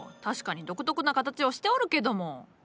確かに独特な形をしておるけども。